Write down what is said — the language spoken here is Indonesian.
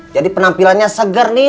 jadi penampilannya segar nin